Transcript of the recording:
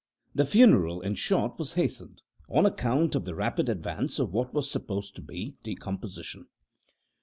The funeral, in short, was hastened, on account of the rapid advance of what was supposed to be decomposition.